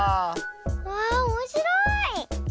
わあおもしろい！